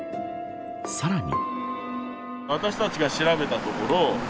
さらに。